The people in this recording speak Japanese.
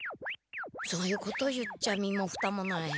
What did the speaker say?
そういうこと言っちゃ身もふたもない。